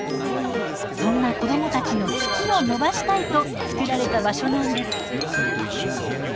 そんな子どもたちの「好き」を伸ばしたいと作られた場所なんです。